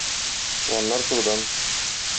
Планнар зурдан.